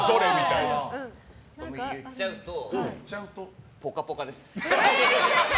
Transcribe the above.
言っちゃうと「ぽかぽか」です。